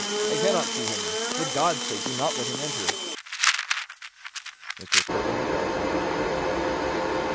I cannot see him; for God's sake, do not let him enter!" Mr. Kirwin regarded me with a troubled countenance.